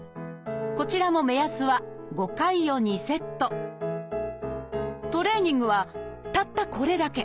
こちらも目安は５回を２セットトレーニングはたったこれだけ。